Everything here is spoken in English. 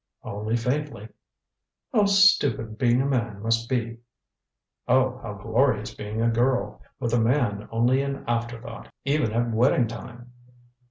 "Only faintly." "How stupid being a man must be." "And how glorious being a girl, with man only an afterthought even at wedding time."